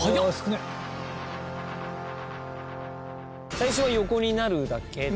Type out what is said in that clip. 最初は横になるだけで。